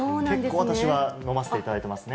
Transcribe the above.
結構私は飲ませていただいてますね。